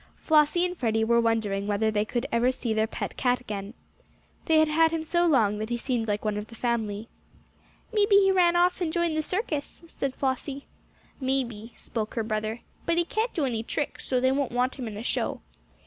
Flossie and Freddie were wondering whether they would ever see their pet cat again. They had had him so long that he seemed like one of the family. "Maybe he ran off and joined the circus," said Flossie. "Maybe," spoke her brother. "But he can't do any tricks, so they won't want him in a show."